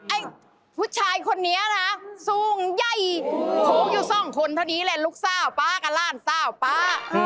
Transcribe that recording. ไอ้ผู้ชายคนนี้น่ะสูงอย่ายโค้งอยู่ส่องคนเท่านี้แหละลูกซ่าว้าป๊ากาลานซ่าว้าป๊า